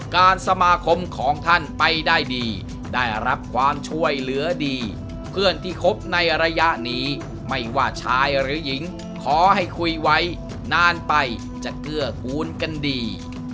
การสมาคมของท่านไปได้ดีได้รับความช่วยเหลือดีเพื่อนที่คบในระยะนี้ไม่ว่าชายหรือหญิงขอให้คุยไว้นานไปจะเกื้อกูลกันดี